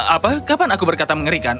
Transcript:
apa kapan aku berkata mengerikan